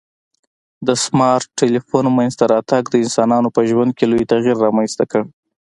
د سمارټ ټلیفون منځته راتګ د انسانانو په ژوند کي لوی تغیر رامنځته کړ